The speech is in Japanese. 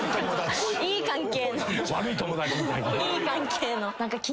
いい関係の。